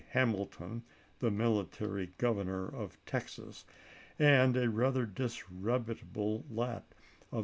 Hamilton, the military aV k Vol. XV. governor of Texas, and a rather disreputable lot of pp.